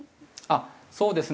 そうですね